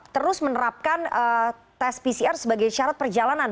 terus menerapkan tes pcr sebagai syarat perjalanan